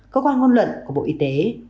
cơ quan ngôn luận của bộ y tế